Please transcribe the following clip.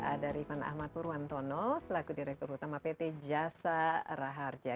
ada rifan ahmad purwantono selaku direktur utama pt jasa raharja